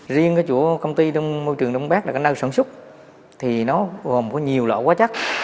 riêng cái chỗ công ty môi trường đông bác là cái nơi sản xuất thì nó gồm có nhiều loại quá chắc